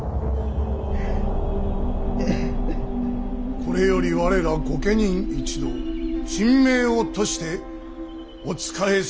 これより我ら御家人一同身命を賭してお仕えする所存にございます。